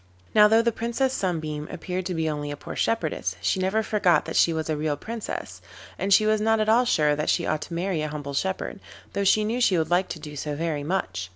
Now though the Princess Sunbeam appeared to be only a poor shepherdess, she never forgot that she was a real Princess, and she was not at all sure that she ought to marry a humble shepherd, though she knew she would like to do so very much.